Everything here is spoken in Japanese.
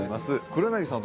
黒柳さん